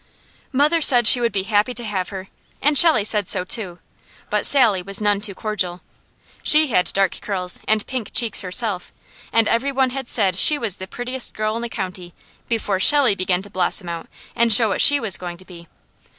Mother said she would be happy to have her, and Shelley said so too, but Sally was none too cordial. She had dark curls and pink cheeks herself, and every one had said she was the prettiest girl in the county before Shelley began to blossom out and show what she was going to be.